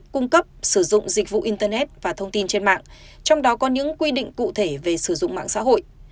cung cấp sử dụng dịch vụ internet và thông tin trên mạng trong đó có những quy định cụ thể về sử dụng mạng xã hội